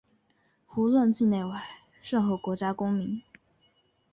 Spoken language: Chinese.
无论境内外、任何国家公民